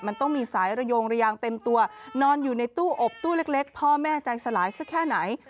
มันต้องมีสายระยงระยางเต็มตัวนอนอยู่ในตู้อบตู้เล็กพ่อแม่ใจสลายสักแค่ไหน